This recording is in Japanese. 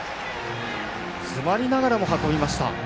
詰まりながらも運びました。